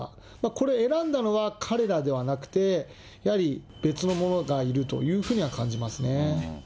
これ、選んだのは、彼らではなくて、やはり別の者がいるというふうには感じますね。